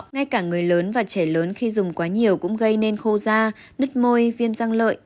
ngay cả người lớn và trẻ lớn khi dùng quá nhiều cũng gây nên khô da nứt môi viêm răng lợi